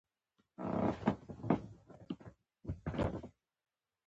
بیا د تنگي تر دوه لارې اوږده غزیدلې،